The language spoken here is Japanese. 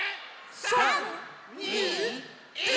３２１！